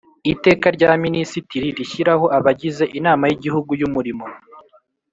Iteka rya minisitiri rishyiraho abagize Inama y Igihugu y Umurimo